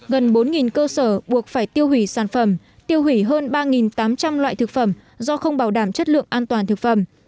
gần bốn cơ sở buộc phải tiêu hủy sản phẩm tiêu hủy hơn ba tám trăm linh loại thực phẩm do không bảo đảm chất lượng an toàn thực phẩm